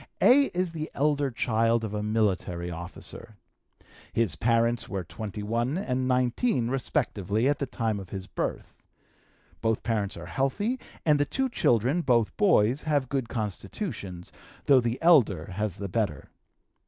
"A. is the elder child of a military officer. His parents were 21 and 19, respectively, at the time of his birth. Both parents are healthy, and the two children (both boys) have good constitutions, though the elder has the better.